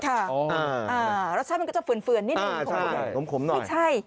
อ๋ออ่ารสชาติมันก็จะฝืนฝืนนิดหนึ่งอ่าใช่หลมขมหน่อยไม่ใช่